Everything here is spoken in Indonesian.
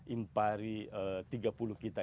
impari tiga puluh kita